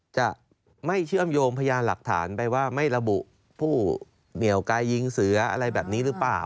จะไม่เชื่อมโยงพยานหลักฐานไปว่าไม่ระบุผู้เหนี่ยวกายยิงเสืออะไรแบบนี้หรือเปล่า